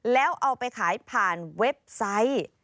แล้วเอาไปขายผ่านเว็บไซต์